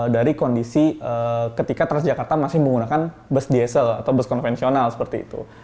dari kondisi ketika transjakarta masih menggunakan bus diesel atau bus konvensional seperti itu